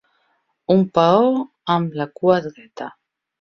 Un paó amb la cua dreta.